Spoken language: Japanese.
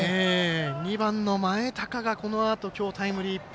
２番の前高がこのあと、きょうタイムリー１本。